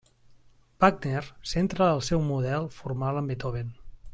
Wagner centra el seu model formal en Beethoven.